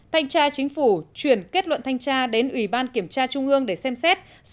thanh tra chính phủ chuyển kết luận thanh tra đến ủy ban kiểm tra trung ương để xem xét